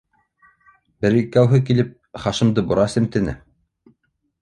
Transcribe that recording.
— Бер-икәүһе килеп, Хашимды бора семтене.